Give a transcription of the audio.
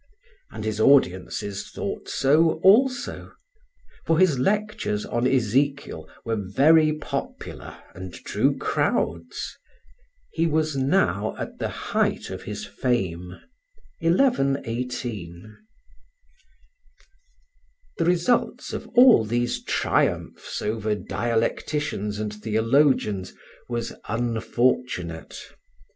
And his audiences thought so also; for his lectures on Ezekiel were very popular and drew crowds. He was now at the height of his fame (1118). The result of all these triumphs over dialecticians and theologians was unfortunate.